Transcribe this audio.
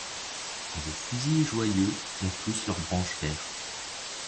Quand vos fusils joyeux ont tous leur branche verte